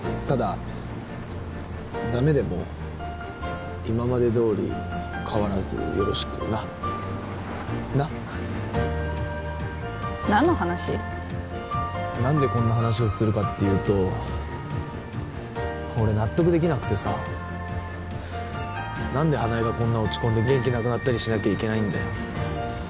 ただダメでも今までどおり変わらずよろしくななっ何の話？何でこんな話をするかっていうと俺納得できなくてさ何で花枝がこんな落ち込んで元気なくなったりしなきゃいけないんだよ